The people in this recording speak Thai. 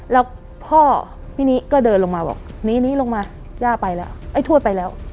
แล้วพ่อพี่นี้ก็เดินลงมาบอกหนีนี้ลงมาย่าไปแล้วไอ้ทวดไปแล้ว